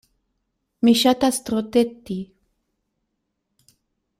Mi ŝatas troteti.